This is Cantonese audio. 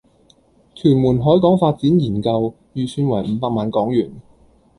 屯門海港發展研究，預算為五百萬港元